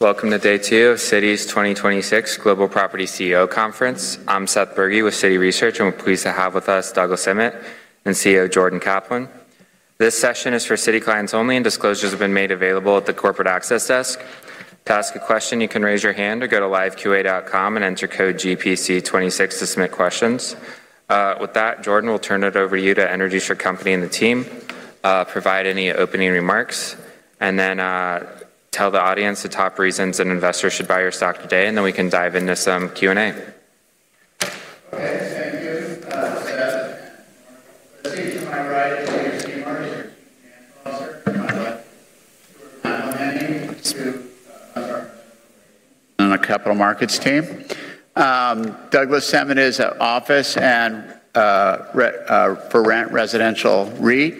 Welcome to day 2 of Citi's 2026 global property CEO Conference. I'm Seth Bergey with Citi Research, and we're pleased to have with us Douglas Emmett and CEO Jordan Kaplan. This session is for Citi clients only, and disclosures have been made available at the corporate access desk. To ask a question, you can raise your hand or go to liveqa.com and enter code GPC26 to submit questions. With that, Jordan, we'll turn it over to you to introduce your company and the team, provide any opening remarks, and then tell the audience the top reasons an investor should buy your stock today, and then we can dive into some Q&A. Okay. Thank you. Seth. Let's see, to my right is Peter Seymour and Peter Serantoni on my left, who are not only managing I'm sorry, on the capital markets team. Douglas Emmett is a office and, for rent residential REIT.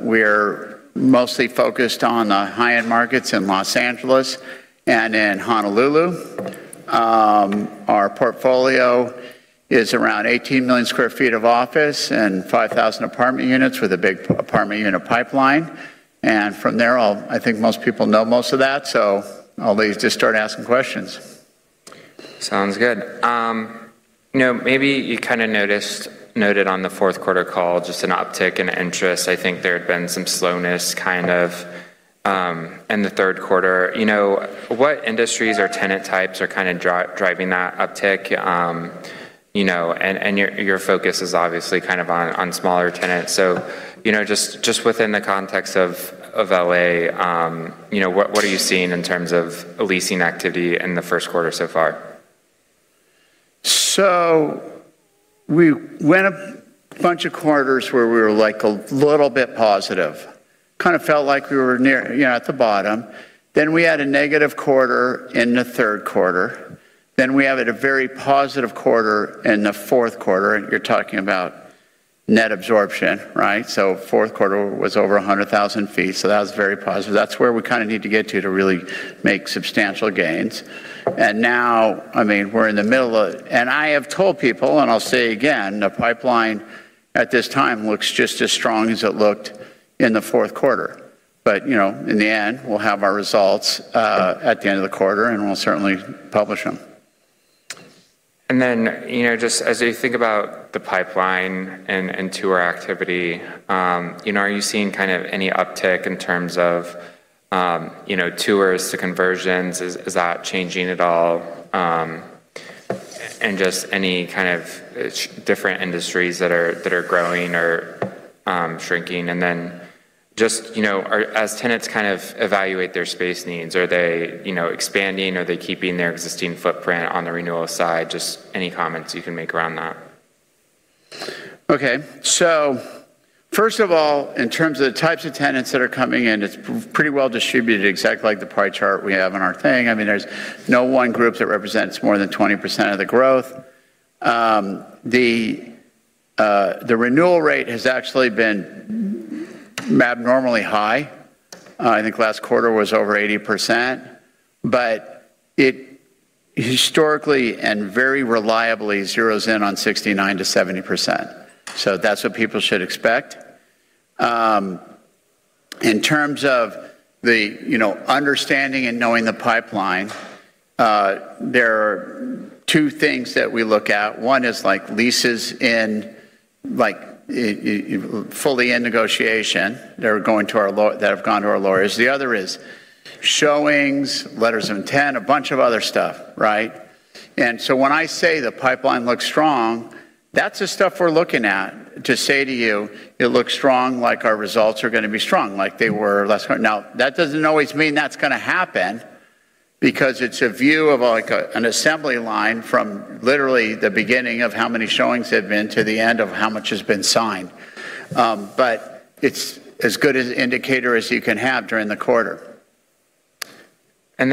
We're mostly focused on the high-end markets in Los Angeles and in Honolulu. Our portfolio is around 18 million sq ft of office and 5,000 apartment units with a big apartment unit pipeline. From there, I think most people know most of that, so I'll let you just start asking questions. Sounds good. You know, maybe you noted on the fourth quarter call just an uptick in interest. I think there had been some slowness kind of in the third quarter. You know, what industries or tenant types are driving that uptick? You know, and your focus is obviously kind of on smaller tenants. You know, just within the context of L.A., you know, what are you seeing in terms of leasing activity in the first quarter so far? We went a bunch of quarters where we were, like, a little bit positive. Kinda felt like we were near, you know, at the bottom. We had a negative quarter in the third quarter. We have at a very positive quarter in the fourth quarter. You're talking about net absorption, right? Fourth quarter was over 100,000 ft, so that was very positive. That's where we kinda need to get to to really make substantial gains. Now, I mean, we're in the middle of... I have told people, and I'll say again, the pipeline at this time looks just as strong as it looked in the fourth quarter. You know, in the end, we'll have our results at the end of the quarter, and we'll certainly publish them. You know, just as you think about the pipeline and tour activity, you know, are you seeing kind of any uptick in terms of, you know, tours to conversions? Is that changing at all? Just any kind of different industries that are growing or shrinking. Just, you know, as tenants kind of evaluate their space needs, are they, you know, expanding? Are they keeping their existing footprint on the renewal side? Just any comments you can make around that. First of all, in terms of the types of tenants that are coming in, it's pretty well distributed, exactly like the pie chart we have on our thing. I mean, there's no one group that represents more than 20% of the growth. The renewal rate has actually been abnormally high. I think last quarter was over 80%. It historically and very reliably zeroes in on 69%-70%. That's what people should expect. In terms of the, you know, understanding and knowing the pipeline, there are two things that we look at. One is, like, leases in, like, fully in negotiation that have gone to our lawyers. The other is showings, letters of intent, a bunch of other stuff, right? When I say the pipeline looks strong, that's the stuff we're looking at to say to you it looks strong, like our results are gonna be strong, like they were last quarter. That doesn't always mean that's gonna happen because it's a view of, like an assembly line from literally the beginning of how many showings there've been to the end of how much has been signed. It's as good an indicator as you can have during the quarter. You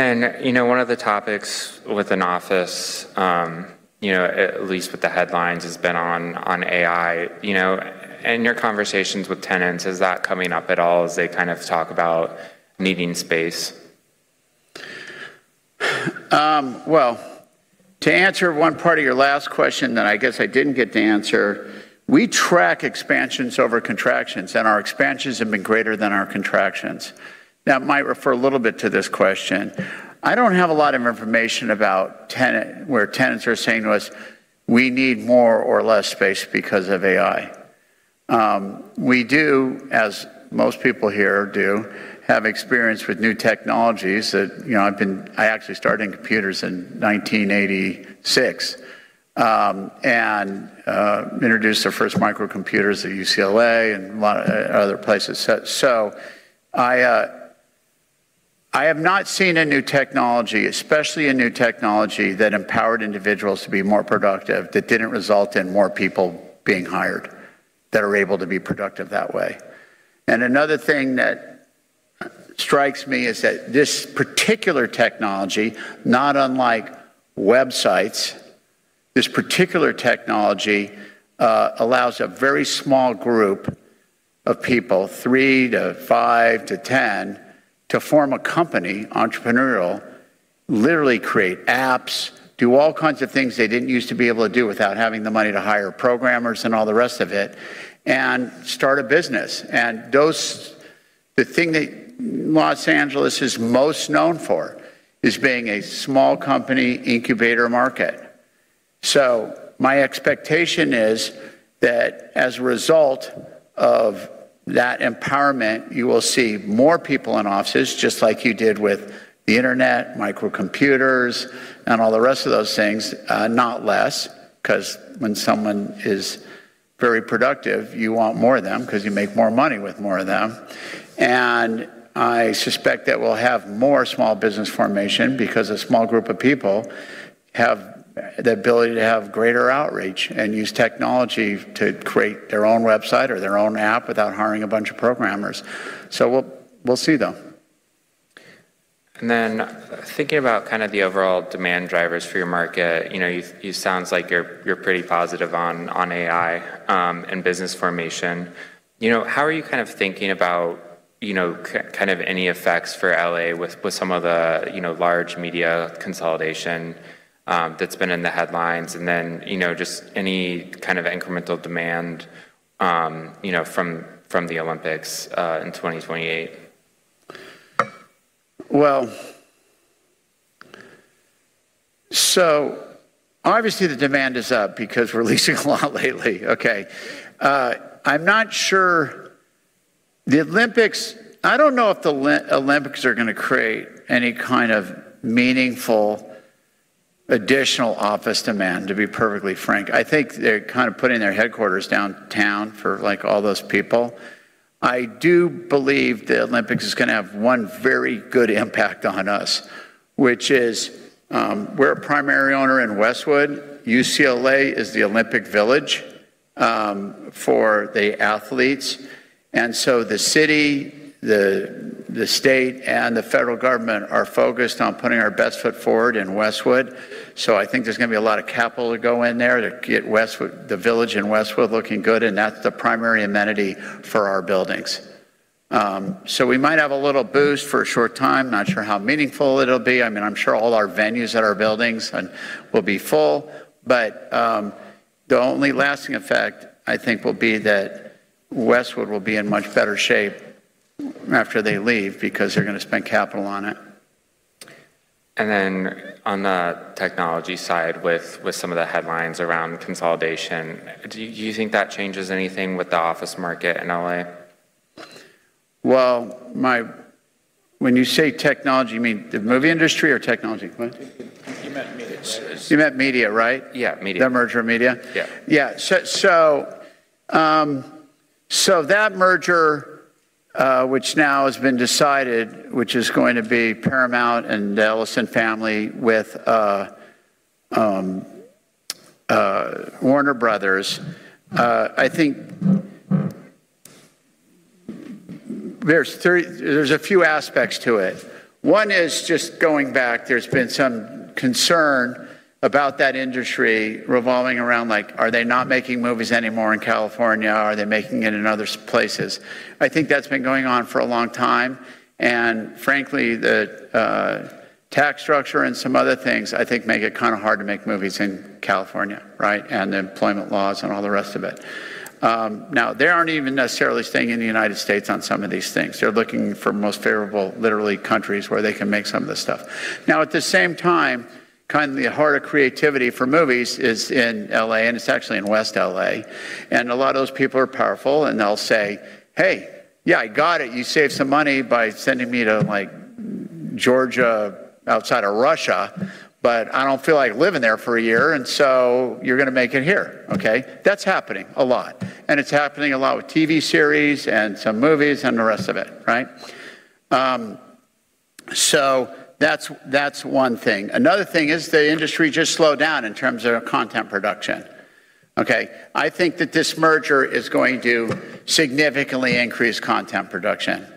know, one of the topics within office, you know, at least with the headlines, has been on AI, you know. In your conversations with tenants, is that coming up at all as they kind of talk about needing space? Well, to answer one part of your last question that I guess I didn't get to answer, we track expansions over contractions, and our expansions have been greater than our contractions. That might refer a little bit to this question. I don't have a lot of information about where tenants are saying to us, "We need more or less space because of AI." We do, as most people here do, have experience with new technologies that, you know, I actually started in computers in 1986, and introduced our first microcomputers at UCLA and a lot other places. I have not seen a new technology, especially a new technology that empowered individuals to be more productive, that didn't result in more people being hired, that are able to be productive that way. Another thing that strikes me is that this particular technology, not unlike websites, this particular technology allows a very small group of people, three to five to 10, to form a company, entrepreneurial, literally create apps, do all kinds of things they didn't use to be able to do without having the money to hire programmers and all the rest of it, and start a business. The thing that Los Angeles is most known for is being a small company incubator market. My expectation is that as a result of that empowerment, you will see more people in offices just like you did with the internet, microcomputers, and all the rest of those things, not less, 'cause when someone is very productive, you want more of them 'cause you make more money with more of them. I suspect that we'll have more small business formation because a small group of people have the ability to have greater outreach and use technology to create their own website or their own app without hiring a bunch of programmers. We'll see, though. Thinking about kind of the overall demand drivers for your market, you know, you sounds like you're pretty positive on AI and business formation. How are you kind of thinking about, you know, kind of any effects for L.A. with some of the, you know, large media consolidation that's been in the headlines? Just any kind of incremental demand, you know, from the Olympics in 2028. Obviously the demand is up because we're leasing a lot lately. Okay. I'm not sure the Olympics I don't know if the Olympics are gonna create any kind of meaningful additional office demand, to be perfectly frank. I think they're kinda putting their headquarters downtown for, like, all those people. I do believe the Olympics is gonna have one very good impact on us, which is, we're a primary owner in Westwood. UCLA is the Olympic Village for the athletes. The city, the state, and the federal government are focused on putting our best foot forward in Westwood. I think there's gonna be a lot of capital to go in there to get Westwood, the village in Westwood looking good, and that's the primary amenity for our buildings. We might have a little boost for a short time. Not sure how meaningful it'll be. I mean, I'm sure all our venues at our buildings, will be full. The only lasting effect, I think, will be that Westwood will be in much better shape after they leave because they're gonna spend capital on it. On the technology side with some of the headlines around consolidation, do you think that changes anything with the office market in L.A.? Well, when you say technology, you mean the movie industry or technology? What? You meant media, right? You meant media, right? Yeah, media. The merger of media? Yeah. Yeah. That merger, which now has been decided, which is going to be Paramount and the Ellison family with Warner Bros., I think there's a few aspects to it. One is just going back. There's been some concern about that industry revolving around, like, are they not making movies anymore in California? Are they making it in other places? I think that's been going on for a long time. Frankly, the tax structure and some other things, I think, make it kind of hard to make movies in California, right? The employment laws and all the rest of it. Now they aren't even necessarily staying in the United States on some of these things. They're looking for most favorable, literally, countries where they can make some of this stuff. At the same time, kinda the heart of creativity for movies is in L.A., and it's actually in West L.A. A lot of those people are powerful, and they'll say, "Hey, yeah, I got it. You saved some money by sending me to, like, Georgia outside of Russia, but I don't feel like living there for a year, and so you're gonna make it here." Okay? That's happening a lot, and it's happening a lot with TV series and some movies and the rest of it, right? so that's one thing. Another thing is the industry just slowed down in terms of content production, okay? I think that this merger is going to significantly increase content production.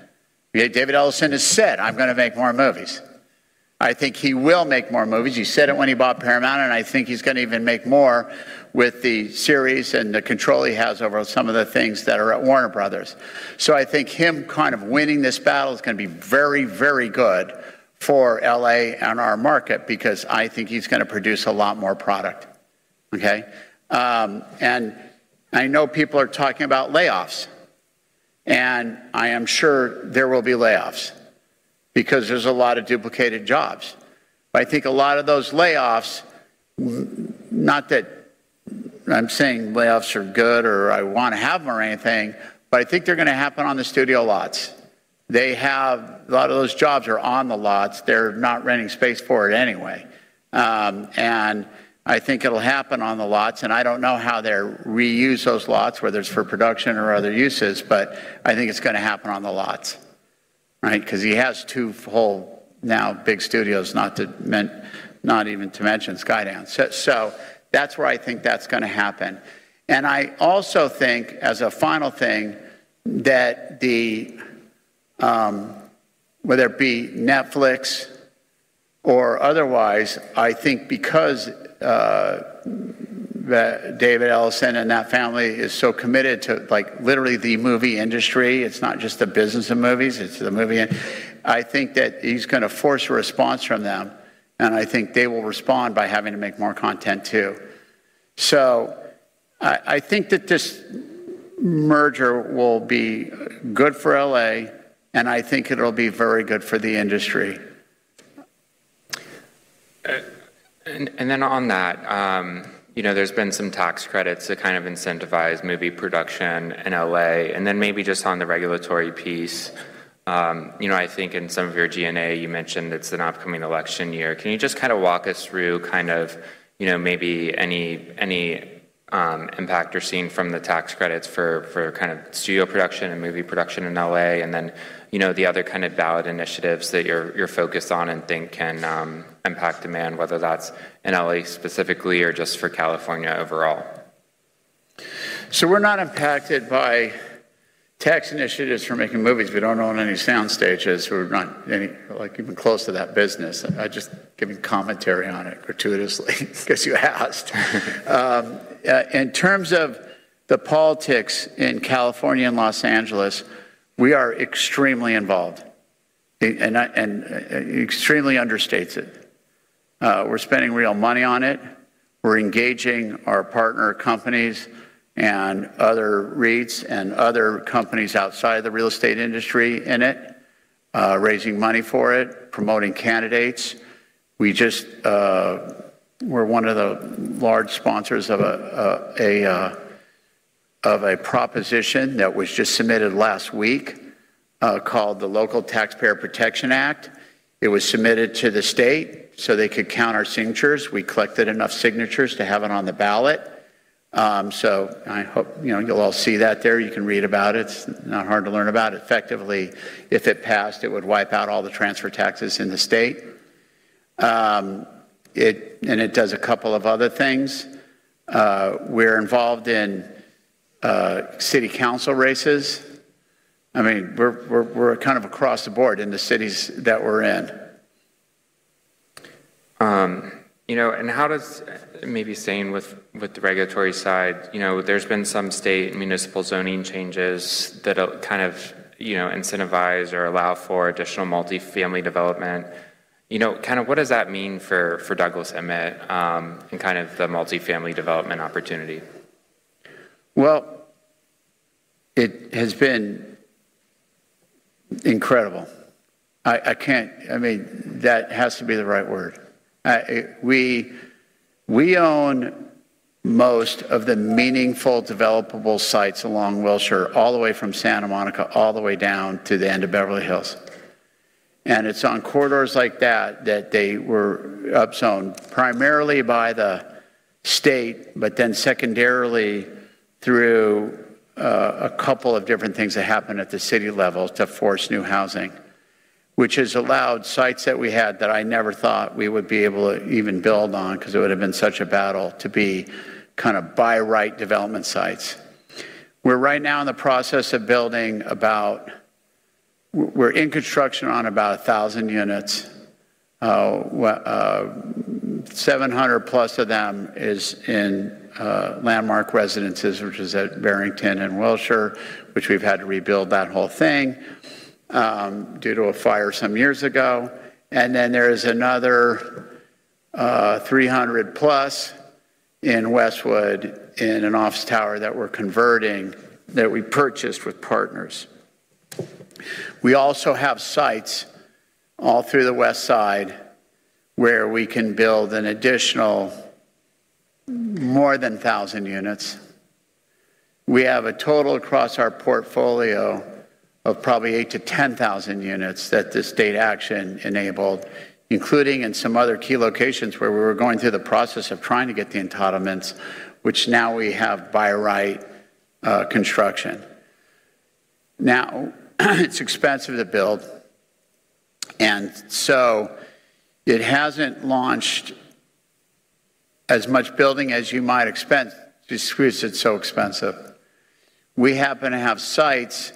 David Ellison has said, "I'm gonna make more movies." I think he will make more movies. He said it when he bought Paramount, I think he's gonna even make more with the series and the control he has over some of the things that are at Warner Bros. I think him kind of winning this battle is gonna be very, very good for L.A. and our market because I think he's gonna produce a lot more product, okay? I know people are talking about layoffs, and I am sure there will be layoffs because there's a lot of duplicated jobs. I think a lot of those layoffs, not that I'm saying layoffs are good or I wanna have them or anything, but I think they're gonna happen on the studio lots. A lot of those jobs are on the lots. They're not renting space for it anyway. I think it'll happen on the lots, I don't know how they'll reuse those lots, whether it's for production or other uses, but I think it's gonna happen on the lots, right? 'Cause he has two whole, now, big studios, not even to mention Skydance. That's where I think that's gonna happen. I also think, as a final thing, that the whether it be Netflix or otherwise, I think because David Ellison and that family is so committed to like literally the movie industry. It's not just the business of movies, it's the movie. I think that he's gonna force a response from them, and I think they will respond by having to make more content too. I think that this merger will be good for L.A., and I think it'll be very good for the industry. Then on that, you know, there's been some tax credits to kind of incentivize movie production in L.A. Then maybe just on the regulatory piece, you know, I think in some of your GNA, you mentioned it's an upcoming election year. Can you just kinda walk us through kind of, you know, maybe any impact you're seeing from the tax credits for kind of studio production and movie production in L.A., and then, you know, the other kind of ballot initiatives that you're focused on and think can impact demand, whether that's in L.A. specifically or just for California overall? We're not impacted by tax initiatives for making movies. We don't own any sound stages. We're not any even close to that business. I'm just giving commentary on it gratuitously 'cause you asked. In terms of the politics in California and Los Angeles, we are extremely involved. Extremely understates it. We're spending real money on it. We're engaging our partner companies and other REITs and other companies outside the real estate industry in it, raising money for it, promoting candidates. We're one of the large sponsors of a proposition that was just submitted last week, called the Local Taxpayer Protection Act. It was submitted to the state so they could count our signatures. We collected enough signatures to have it on the ballot. I hope, you know, you'll all see that there. You can read about it. It's not hard to learn about. Effectively, if it passed, it would wipe out all the transfer taxes in the state. It does a couple of other things. We're involved in city council races. I mean, we're kind of across the board in the cities that we're in. You know, Maybe staying with the regulatory side. You know, there's been some state municipal zoning changes that'll kind of, you know, incentivize or allow for additional multifamily development. You know, kind of what does that mean for Douglas Emmett, in kind of the multifamily development opportunity? Well, it has been incredible. I mean, that has to be the right word. We own most of the meaningful developable sites along Wilshire, all the way from Santa Monica, all the way down to the end of Beverly Hills. It's on corridors like that that they were up zoned primarily by the state, secondarily through a couple of different things that happened at the city level to force new housing, which has allowed sites that we had that I never thought we would be able to even build on because it would've been such a battle to be kind of by-right development sites. We're right now in the process of building, we're in construction on about 1,000 units. 700 plus of them is in The Landmark Residences, which is at Barrington and Wilshire, which we've had to rebuild that whole thing due to a fire some years ago. There's another 300 plus in Westwood in an office tower that we're converting that we purchased with partners. We also have sites all through the west side where we can build an additional more than 1,000 units. We have a total across our portfolio of probably 8,000-10,000 units that the state action enabled, including in some other key locations where we were going through the process of trying to get the entitlements, which now we have by-right construction. It's expensive to build, so it hasn't launched as much building as you might expect just because it's so expensive. We happen to have sites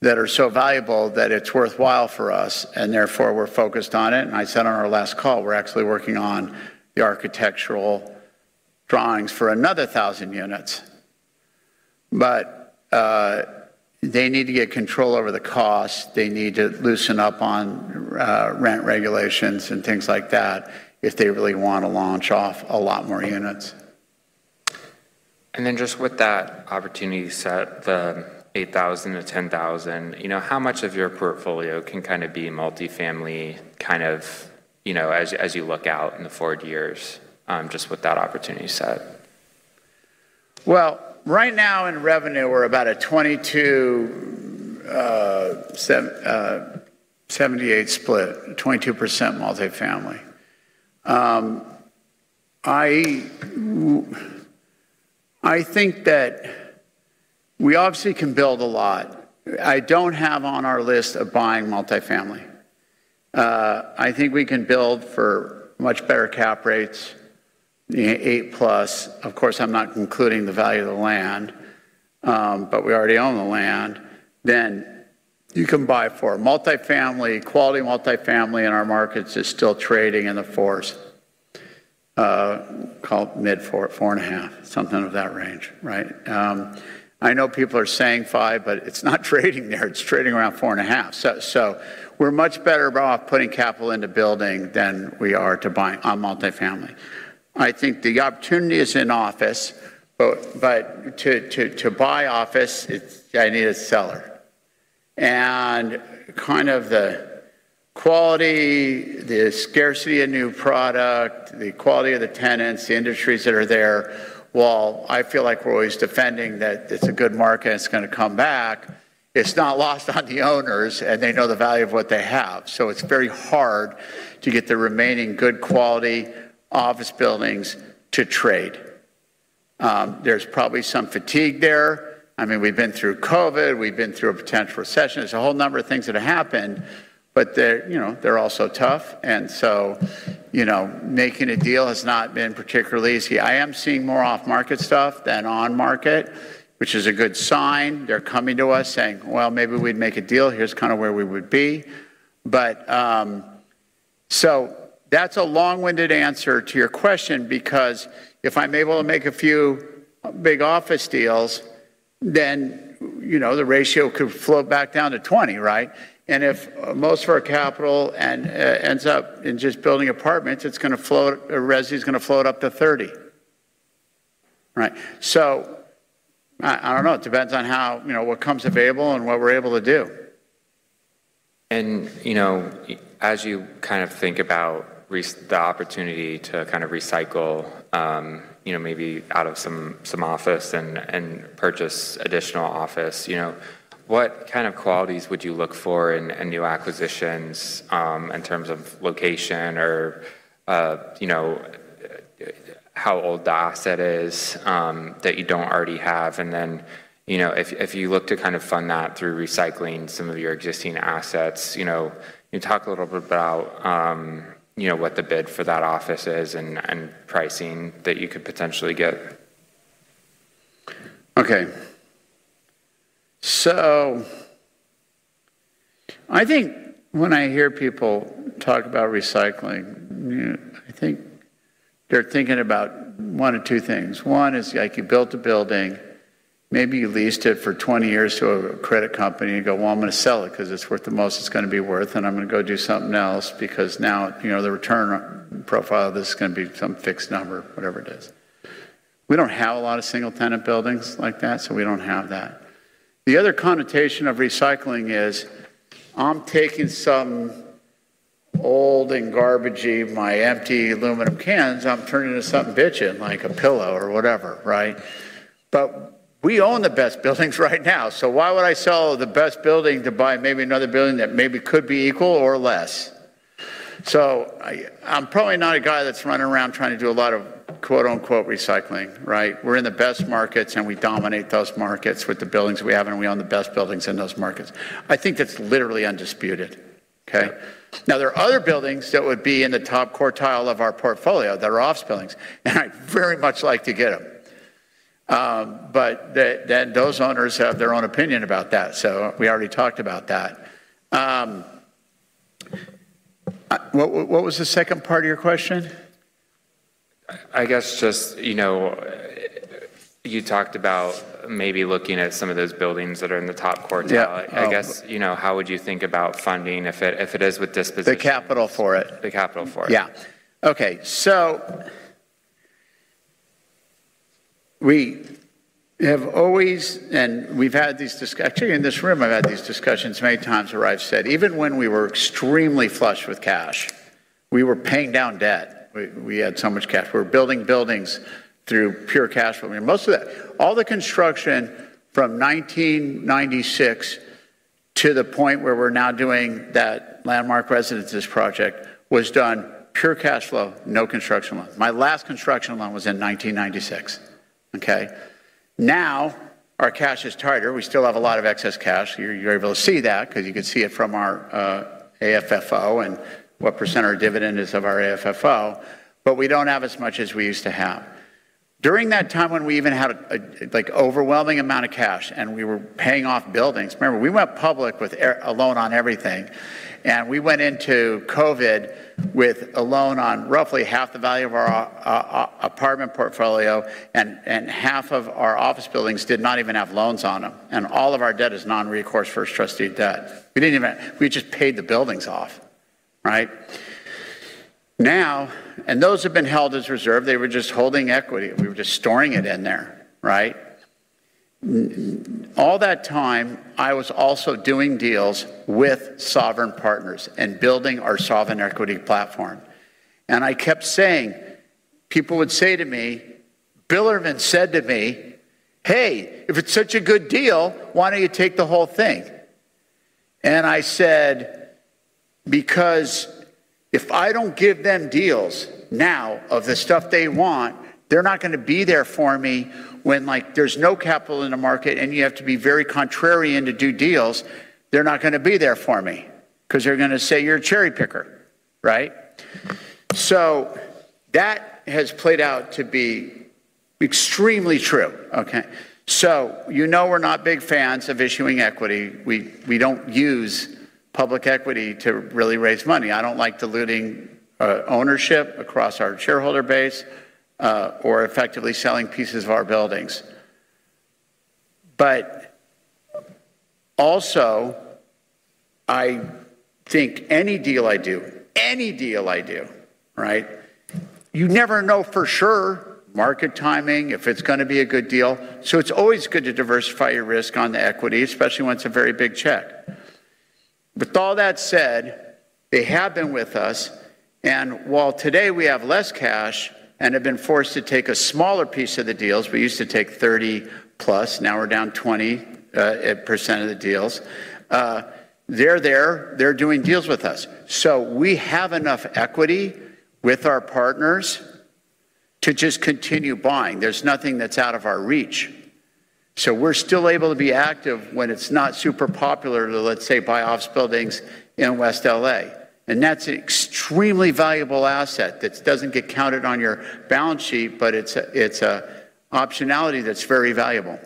that are so valuable that it's worthwhile for us, and therefore, we're focused on it. I said on our last call, we're actually working on the architectural drawings for another 1,000 units. They need to get control over the cost. They need to loosen up on rent regulations and things like that if they really wanna launch off a lot more units. Then just with that opportunity set, the 8,000-10,000, you know, how much of your portfolio can kind of be multifamily, kind of, you know, as you look out in the forward years, just with that opportunity set? Right now in revenue, we're about a 22, 78 split, 22% multifamily. I think that we obviously can build a lot. I don't have on our list of buying multifamily. I think we can build for much better cap rates, 8+. Of course, I'm not including the value of the land, but we already own the land. You can buy for multifamily. Quality multifamily in our markets is still trading in the 4s, call it mid 4.5, something of that range, right? I know people are saying 5, but it's not trading there. It's trading around 4.5. We're much better off putting capital into building than we are to buying on multifamily. I think the opportunity is in office, but to buy office, I need a seller. Kind of the quality, the scarcity of new product, the quality of the tenants, the industries that are there, while I feel like we're always defending that it's a good market and it's gonna come back, it's not lost on the owners, and they know the value of what they have. It's very hard to get the remaining good quality office buildings to trade. There's probably some fatigue there. I mean, we've been through COVID, we've been through a potential recession. There's a whole number of things that have happened, but they're, you know, they're also tough. You know, making a deal has not been particularly easy. I am seeing more off-market stuff than on-market, which is a good sign. They're coming to us saying, "Well, maybe we'd make a deal. Here's kind of where we would be." That's a long-winded answer to your question because if I'm able to make a few big office deals, then, you know, the ratio could float back down to 20, right? If most of our capital ends up in just building apartments, it's resi's gonna float up to 30, right? I don't know. It depends on how, you know, what comes available and what we're able to do. You know, as you kind of think about the opportunity to kind of recycle, you know, maybe out of some office and purchase additional office, you know, what kind of qualities would you look for in a new acquisitions in terms of location or, you know, how old the asset is that you don't already have? You know, if you look to kind of fund that through recycling some of your existing assets, you know, can you talk a little bit about, you know, what the bid for that office is and pricing that you could potentially get? I think when I hear people talk about recycling, I think they're thinking about one of two things. One is, like, you built a building, maybe you leased it for 20 years to a credit company and go, "Well, I'm gonna sell it 'cause it's worth the most it's gonna be worth, and I'm gonna go do something else because now, you know, the return profile of this is gonna be some fixed number," whatever it is. We don't have a lot of single tenant buildings like that, so we don't have that. The other connotation of recycling is I'm taking some old and garbagey, my empty aluminum cans, I'm turning to something bitchin' like a pillow or whatever, right? We own the best buildings right now, so why would I sell the best building to buy maybe another building that maybe could be equal or less? I'm probably not a guy that's running around trying to do a lot of, quote-unquote, "recycling," right? We're in the best markets, and we dominate those markets with the buildings we have, and we own the best buildings in those markets. I think that's literally undisputed, okay. There are other buildings that would be in the top quartile of our portfolio that are office buildings, and I'd very much like to get them. Those owners have their own opinion about that. We already talked about that. What was the second part of your question? I guess just, you know, you talked about maybe looking at some of those buildings that are in the top quartile. Yeah. I guess, you know, how would you think about funding if it is with disposition? The capital for it. The capital for it. Yeah. Okay. We have always-- and we've had these discuss-- actually, in this room, I've had these discussions many times where I've said even when we were extremely flush with cash, we were paying down debt. We had so much cash. We were building buildings through pure cash flow. I mean, all the construction from 1996 to the point where we're now doing that Landmark Residences project was done pure cash flow, no construction loan. My last construction loan was in 1996, okay. Our cash is tighter. We still have a lot of excess cash. You're able to see that because you can see it from our AFFO and what % our dividend is of our AFFO, but we don't have as much as we used to have. During that time when we even had a, like, overwhelming amount of cash and we were paying off buildings. Remember, we went public with a loan on everything, and we went into COVID with a loan on roughly half the value of our apartment portfolio, and half of our office buildings did not even have loans on them. All of our debt is non-recourse first trust deed debt. We didn't even, we just paid the buildings off, right? Those have been held as reserve. They were just holding equity. We were just storing it in there, right? All that time, I was also doing deals with sovereign partners and building our sovereign equity platform. I kept saying, people would say to me, Bilerman said to me, "Hey, if it's such a good deal, why don't you take the whole thing?" I said, "Because if I don't give them deals now of the stuff they want, they're not gonna be there for me when, like, there's no capital in the market and you have to be very contrarian to do deals. They're not gonna be there for me 'cause they're gonna say you're a cherry picker, right?" That has played out to be extremely true. Okay. You know we're not big fans of issuing equity. We don't use public equity to really raise money. I don't like diluting ownership across our shareholder base or effectively selling pieces of our buildings. Also, I think any deal I do, right? You never know for sure, market timing, if it's gonna be a good deal. It's always good to diversify your risk on the equity, especially when it's a very big check. With all that said, they have been with us, and while today we have less cash and have been forced to take a smaller piece of the deals, we used to take 30%+, now we're down 20% of the deals. They're there. They're doing deals with us. We have enough equity with our partners to just continue buying. There's nothing that's out of our reach. We're still able to be active when it's not super popular to, let's say, buy office buildings in West L.A. That's extremely valuable asset that doesn't get counted on your balance sheet, but it's a, it's a optionality that's very valuable.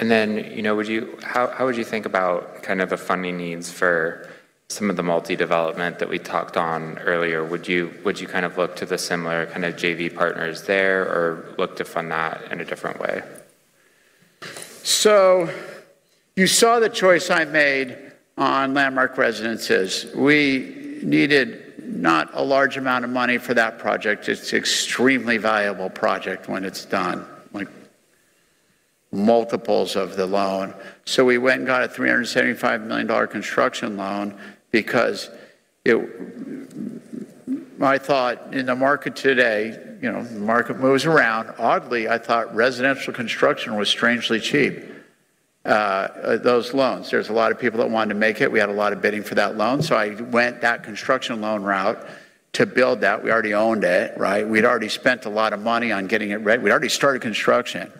You know, how would you think about kind of the funding needs for some of the multi-development that we talked on earlier? Would you kind of look to the similar kind of JV partners there or look to fund that in a different way? You saw the choice I made on Landmark Residences. We needed not a large amount of money for that project. It's extremely valuable project when it's done, like multiples of the loan. We went and got a $375 million construction loan because I thought in the market today, you know, the market moves around. Oddly, I thought residential construction was strangely cheap. Those loans, there's a lot of people that wanted to make it. We had a lot of bidding for that loan. I went that construction loan route to build that. We already owned it, right? We'd already spent a lot of money on getting it ready. We'd already started construction.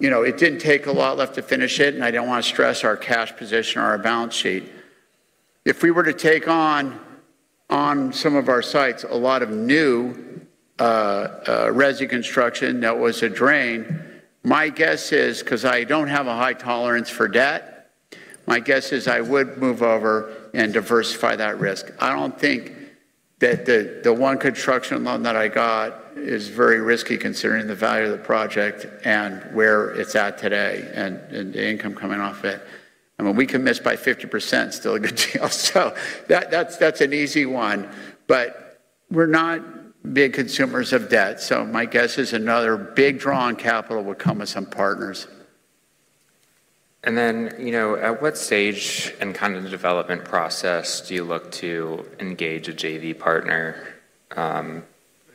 You know, it didn't take a lot left to finish it, and I didn't wanna stress our cash position or our balance sheet. If we were to take on some of our sites a lot of new resi construction that was a drain, my guess is, 'cause I don't have a high tolerance for debt, my guess is I would move over and diversify that risk. I don't think that the one construction loan that I got is very risky considering the value of the project and where it's at today and the income coming off it. I mean, we can miss by 50%, still a good deal. That's an easy one. We're not big consumers of debt. My guess is another big draw on capital would come with some partners. You know, at what stage in kind of the development process do you look to engage a JV partner,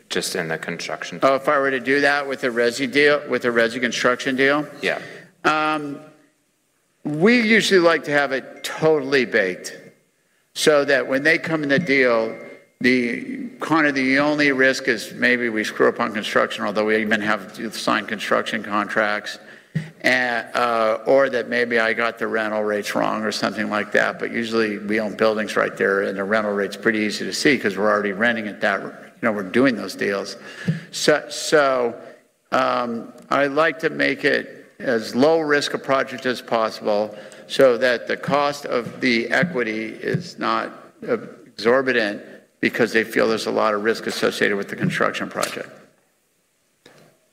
just in the construction phase? Oh, if I were to do that with a resi construction deal? Yeah. We usually like to have it totally baked so that when they come in the deal, kinda the only risk is maybe we screw up on construction, although we even have signed construction contracts. Or that maybe I got the rental rates wrong or something like that. Usually, we own buildings right there, and the rental rate's pretty easy to see 'cause we're already renting. You know, we're doing those deals. I like to make it as low risk a project as possible so that the cost of the equity is not exorbitant because they feel there's a lot of risk associated with the construction project.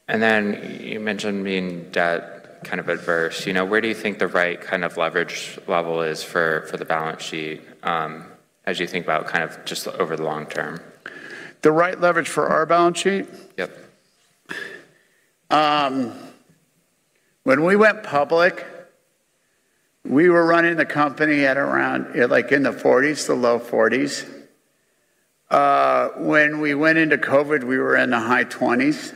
Then you mentioned being debt kind of adverse. You know, where do you think the right kind of leverage level is for the balance sheet, as you think about kind of just over the long term? The right leverage for our balance sheet? Yep. When we went public, we were running the company at around, like in the 40s, the low 40s. When we went into COVID, we were in the high 20s.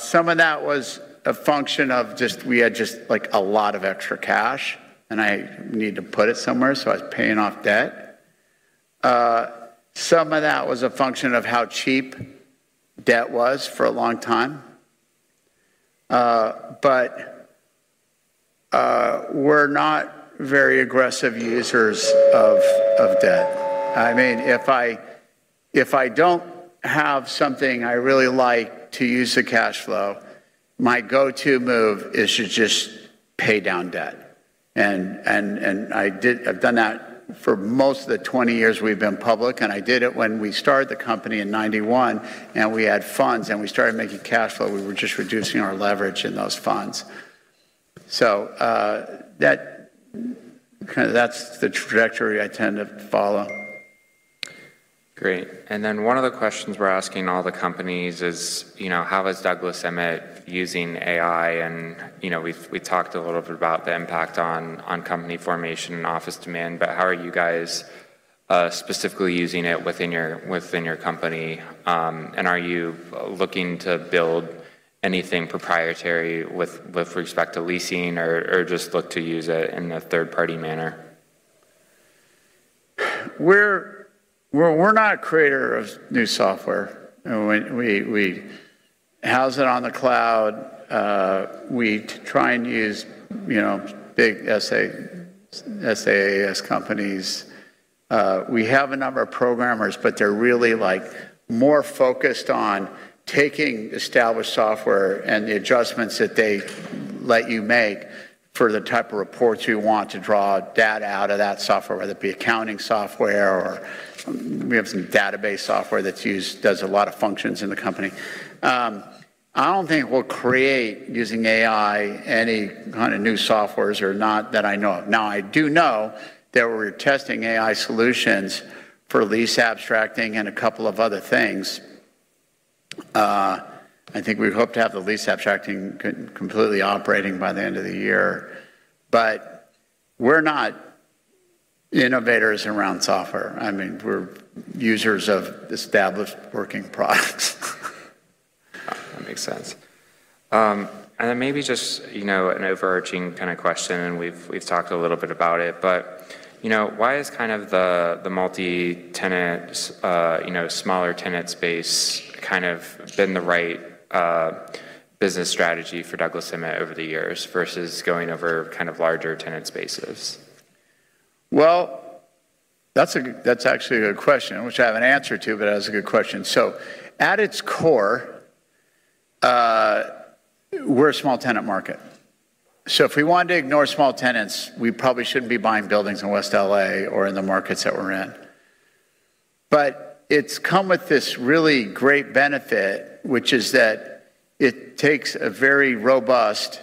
Some of that was a function of just we had just, like, a lot of extra cash, and I need to put it somewhere, so I was paying off debt. Some of that was a function of how cheap debt was for a long time. We're not very aggressive users of debt. I mean, if I don't have something I really like to use the cash flow, my go-to move is to just pay down debt. I've done that for most of the 20 years we've been public, and I did it when we started the company in 1991, and we had funds, and we started making cash flow. We were just reducing our leverage in those funds. Kinda that's the trajectory I tend to follow. Great. One of the questions we're asking all the companies is, you know, how is Douglas Emmett using AI? You know, we talked a little bit about the impact on company formation and office demand. How are you guys specifically using it within your company? Are you looking to build anything proprietary with respect to leasing or just look to use it in a third-party manner? We're not a creator of new software. You know, How's it on the cloud? We try and use, you know, big SaaS companies. We have a number of programmers, but they're really, like, more focused on taking established software and the adjustments that they let you make for the type of reports you want to draw data out of that software, whether it be accounting software or we have some database software that's used, does a lot of functions in the company. I don't think we'll create using AI any kind of new softwares or not that I know of. I do know that we're testing AI solutions for lease abstracting and a couple of other things. I think we hope to have the lease abstracting completely operating by the end of the year. We're not innovators around software. I mean, we're users of established working products. That makes sense. Maybe just, you know, an overarching kind of question, and we've talked a little bit about it. Why is kind of the multi-tenant, you know, smaller tenant space kind of been the right business strategy for Douglas Emmett over the years versus going over kind of larger tenant spaces? Well, that's actually a good question, which I have an answer to, but that's a good question. At its core, we're a small tenant market. If we wanted to ignore small tenants, we probably shouldn't be buying buildings in West L.A. or in the markets that we're in. It's come with this really great benefit, which is that it takes a very robust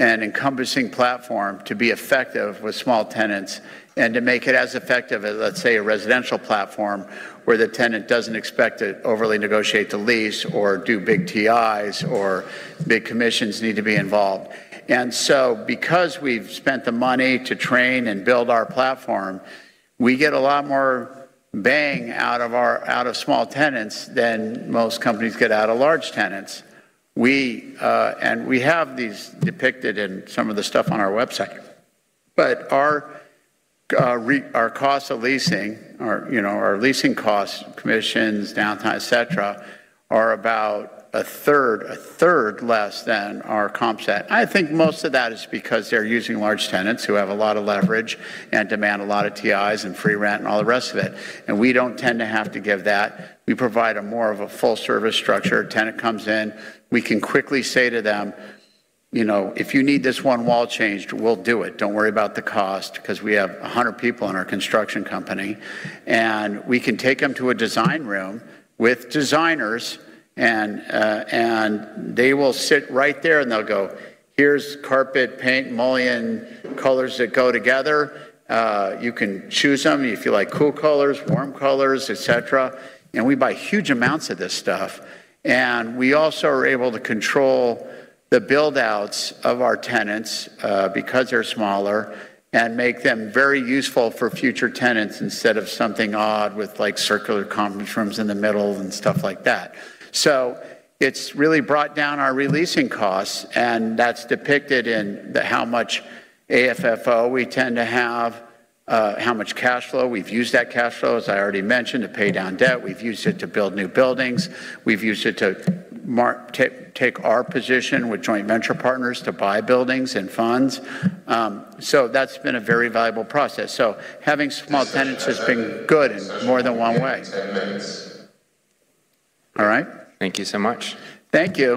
and encompassing platform to be effective with small tenants and to make it as effective as, let's say, a residential platform where the tenant doesn't expect to overly negotiate the lease or do big TIs or big commissions need to be involved. Because we've spent the money to train and build our platform, we get a lot more bang out of small tenants than most companies get out of large tenants. We... We have these depicted in some of the stuff on our website. Our cost of leasing or, you know, our leasing costs, commissions, downtime, etcetera, are about a third less than our comp set. I think most of that is because they're using large tenants who have a lot of leverage and demand a lt of TIs and free rent and all the rest of it. We don't tend to have to give that. We provide a more of a full service structure. A tenant comes in, we can quickly say to them, "You know, if you need this one wall changed, we'll do it. Don't worry about the cost," 'cause we have 100 people in our construction company. We can take them to a design room with designers and they will sit right there and they'll go, "Here's carpet, paint, mullion, colors that go together. You can choose them if you like cool colors, warm colors, etcetera." We buy huge amounts of this stuff, and we also are able to control the build-outs of our tenants because they're smaller and make them very useful for future tenants instead of something odd with like circular conference rooms in the middle and stuff like that. It's really brought down our releasing costs, and that's depicted in the how much AFFO we tend to have, how much cash flow. We've used that cash flow, as I already mentioned, to pay down debt. We've used it to build new buildings. We've used it to take our position with joint venture partners to buy buildings and funds. That's been a very valuable process. Having small tenants has been good in more than one way. 10 minutes. All right. Thank you so much. Thank you.